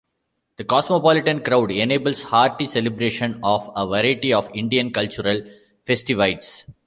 The cosmopolitan crowd enables hearty celebration of a variety of Indian cultural festivities.